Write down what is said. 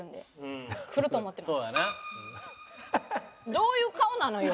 どういう顔なのよ。